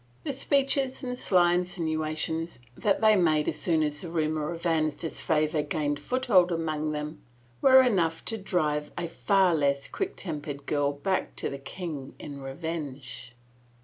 The speeches and sly insinuations that they made as soon as the rumor of Anne's disfavor gained foothold among them were enough to drive a far less quick tempered girl back to the king in revenge.